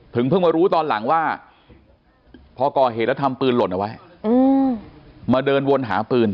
ถึงเพิ่งมารู้ตอนหลังว่าพ่อก่อเหตุธรรมปืนหล่นไว้มาเดินวนหาปืน